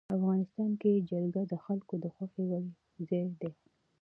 افغانستان کې جلګه د خلکو د خوښې وړ ځای دی.